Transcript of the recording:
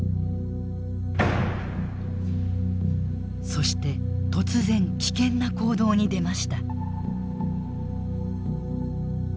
そして突然危険な行動に出ました。